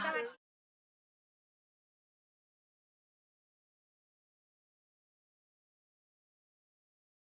ก็ไม่รู้ว่าจะหามาได้จะบวชก่อนเบียดหรือเปล่า